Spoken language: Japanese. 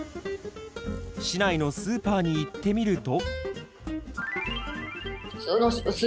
市内のスーパーに行ってみると。